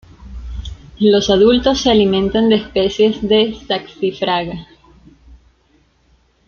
Los adultos se alimentan de especies de Saxifraga.